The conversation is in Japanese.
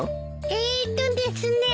えーとですね。